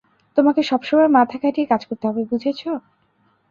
তোমাকে সবসময় মাথা খাটিয়ে কাজ করতে হবে, বুঝেছ?